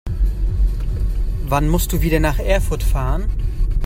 Wann musst du wieder nach Erfurt fahren?